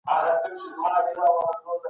څوک د حقوقي مرستو غوښتنه کوي؟